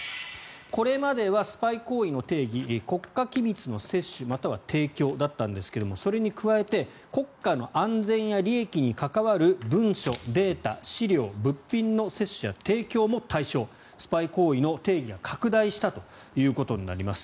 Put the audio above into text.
これまではスパイ行為の定義国家機密の窃取または提供だったんですがそれに加えて国家の安全や利益に関わる文書、データ、資料物品の窃取や提供も対象スパイ行為の定義が拡大したということになります。